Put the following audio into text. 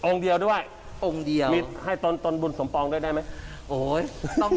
องค์เดียวด้วยมิตรให้ตนบุญสมปรองด้วยได้ไหม